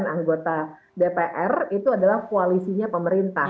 delapan puluh dua anggota dpr itu adalah koalisinya pemerintah